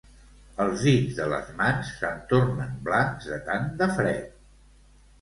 Els dits de les mans se'm tornen blancs de tant de fred